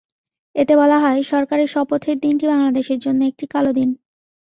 এতে বলা হয়, সরকারের শপথের দিনটি বাংলাদেশের জন্য একটি কালো দিন।